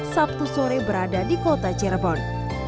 sabtu sore berada di kota cirebon